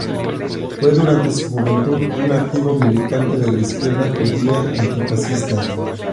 Fue durante su juventud un activo militante de la izquierda judía antifascista.